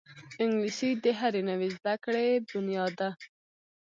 انګلیسي د هرې نوې زده کړې بنیاد ده